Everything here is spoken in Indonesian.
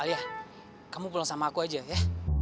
ya kamu pulang sama aku aja ya